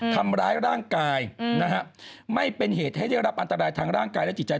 ทำร้ายร่างกายนะฮะไม่เป็นเหตุให้ได้รับอันตรายทางร่างกายและจิตใจ